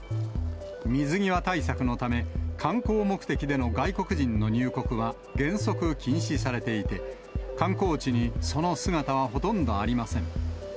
水際対策のため、観光目的での外国人の入国は原則禁止されていて、観光地にその姿はほとんどありません。